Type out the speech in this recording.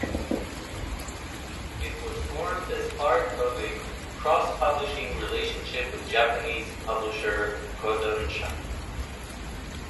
It was formed as part of a cross-publishing relationship with Japanese publisher Kodansha.